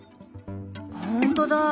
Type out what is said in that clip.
本当だ。